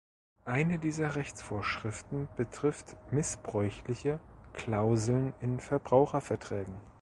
Eine dieser Rechtsvorschriften betrifft missbräuchliche Klauseln in Verbraucherverträgen.